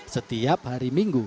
setiap hari minggu